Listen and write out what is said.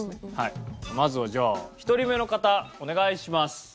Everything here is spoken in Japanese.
まずはじゃあ１人目の方お願いします。